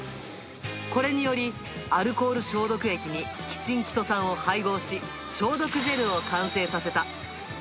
これにより、アルコール消毒液にキチン・キトサンを配合し、消毒ジェルを完成させた。